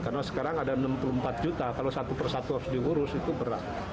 karena sekarang ada enam puluh empat juta kalau satu persatu harus diurus itu berat